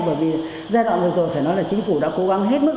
bởi vì giai đoạn vừa rồi phải nói là chính phủ đã cố gắng hết mức